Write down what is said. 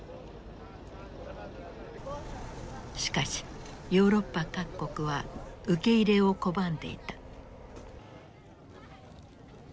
しかしヨーロッパ各国は受け入れを拒んでいた。